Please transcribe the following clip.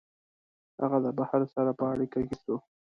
هغه د بهر سره په اړیکه کي سو